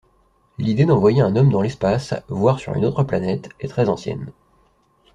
L'idée d'envoyer un homme dans l'espace, voire sur une autre planète, est très ancienne.